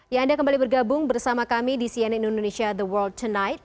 ya anda kembali bergabung bersama kami di cnn indonesia the world tonight